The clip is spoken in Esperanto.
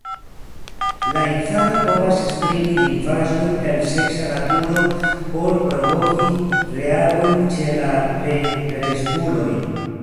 La infanoj povas esprimi lingvaĵon el seksa naturo por provoki reagojn ĉe la plenkreskuloj.